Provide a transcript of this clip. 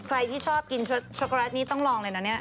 ใครที่ชอบกินช็อกโกแลตนี้ต้องลองเลยนะเนี่ย